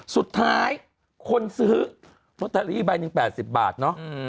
สุดท้ายคนซื้อโรตารีบายนิ่ง๘๐บาทเนาะ